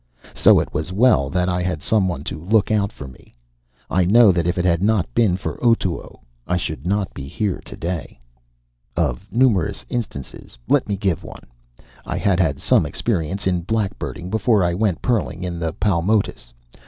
So it was well that I had some one to look out for me. I know that if it had not been for Otoo, I should not be here today. Of numerous instances, let me give one. I had had some experience in blackbirding before I went pearling in the Paumotus.